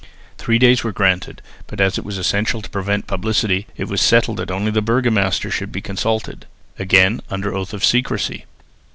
Three days were granted but, as it was essential to prevent publicity, it was settled that only the burgomasters should be consulted, again under oath of secrecy.